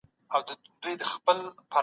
دوی د چاپېريال ساتنې په اړه پوهاوی ورکاوه.